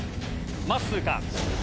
まっすーか？